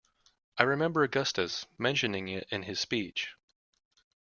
I remember Augustus mentioning it in his speech.